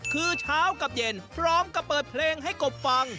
คือเช้ากับเย็นพร้อมกับเปิดเพลงให้กบฟัง